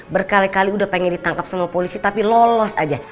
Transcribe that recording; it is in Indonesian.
berkali kali udah pengen ditangkap sama polisi tapi lolos aja